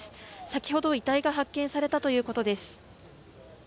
先ほど遺体が発見されたということです。